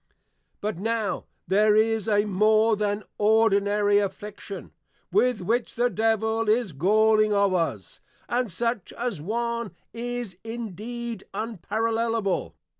_ But now there is a more than ordinary affliction, with which the Devil is Galling of us: and such an one as is indeed Unparallelable.